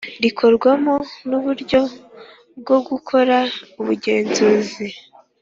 Rikorwamo n uburyo bwo gukora ubugenzuzi